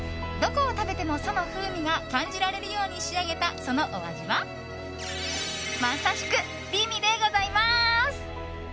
どこを食べてもその風味が感じられるように仕上げた、そのお味はまさしく美味でございます。